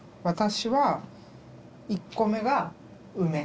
私は１個目が梅。